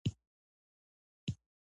ټول یو خدای لري